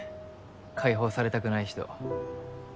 解放されたくない人。